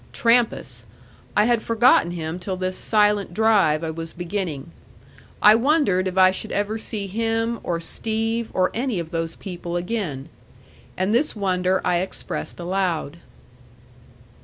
Trampas! I had forgotten him till this silent drive I was beginning. I wondered if I should ever see him, or Steve, or any of those people again. And this wonder I expressed aloud.